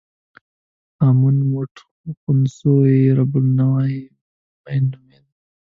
امون موټ خونسو چې رب النوع یې مېن نومېده.